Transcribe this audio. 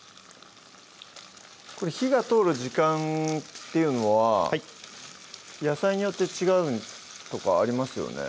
うん火が通る時間っていうのは野菜によって違うとかありますよね？